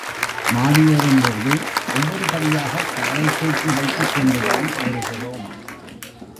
மாடி ஏறும்போது ஒவ்வொரு படியாகக் காலைத் தூக்கி வைத்துக் கொண்டுதான் ஏறுகிறோம்.